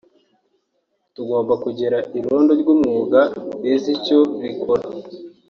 Tugomba kugira irondo ry’umwuga rizi icyo rikora